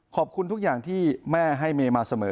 ขอบคุณทุกอย่างที่แม่ให้เมย์มาเสมอ